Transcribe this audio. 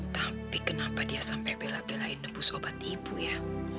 tapi kenapa dia sampai bela belain nebus obat ibu ya